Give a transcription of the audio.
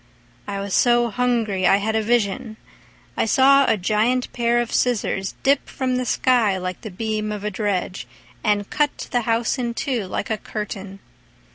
I was so hungry I had a vision: I saw a giant pair of scissors Dip from the sky, like the beam of a dredge, And cut the house in two like a curtain.